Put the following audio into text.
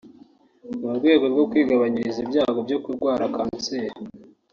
mu rwego rwo kwigabanyiriza ibyago byo kurwara kanseri